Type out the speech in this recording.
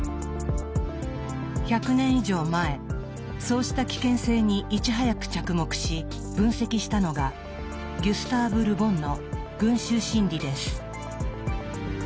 １００年以上前そうした危険性にいち早く着目し分析したのがギュスターヴ・ル・ボンの「群衆心理」です。